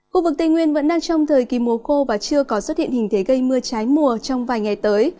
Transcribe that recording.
khu vực tây nguyên vẫn đang trong thời kỳ mùa khô và chưa có xuất hiện hình thế gây mưa trái mùa trong vài ngày tới